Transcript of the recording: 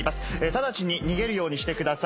ただちに逃げるようにしてください。